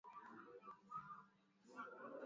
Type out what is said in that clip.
Andaa chapati zako za unga lishe wa viazi